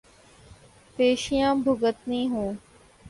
پیشیاں بھگتنی ہوں۔